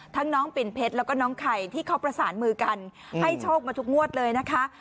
น้องปิ่นเพชรแล้วก็น้องไข่ที่เขาประสานมือกันให้โชคมาทุกงวดเลยนะคะ